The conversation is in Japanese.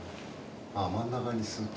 真ん中にすっと。